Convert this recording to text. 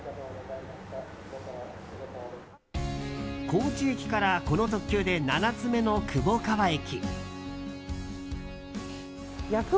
高知駅からこの特急で７つ目の窪川駅。